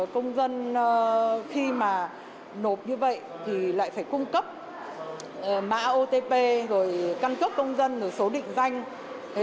công dân khi mà nộp như vậy thì lại phải cung cấp mã otp rồi căn cước công dân rồi số định danh